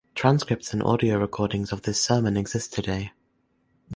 Transcripts and audio recordings of this sermon exist today.